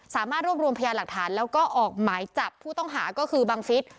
สามารถรวบรวมพยานหลักฐานแล้วก็ออกหมายจับผู้ต้องหาก็คือบังฟิศ